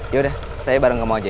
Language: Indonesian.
ya udah saya bareng kamu aja ya